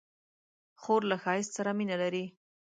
خور له ښایست سره مینه لري.